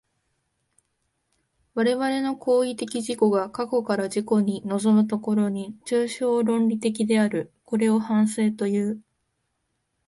我々の行為的自己が過去から自己に臨む所に、抽象論理的である。これを反省という。